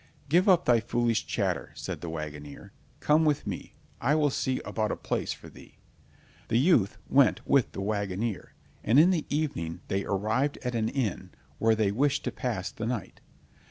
"Give up thy foolish chatter," said the wagoner. "Come go with me, I will see about a place for thee." The youth went with the wagoner, and in the evening they arrived at an inn where they wished to pass the night.